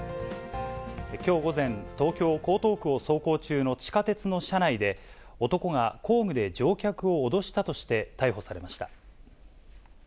きょう午前、東京・江東区を走行中の地下鉄の車内で、男が工具で乗客を脅したとして逮捕されました。